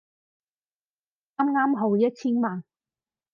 啱啱好一千萬